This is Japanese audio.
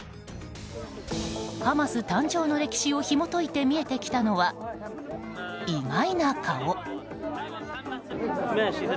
ハマス誕生の歴史をひも解いて見えてきたのは意外な顔。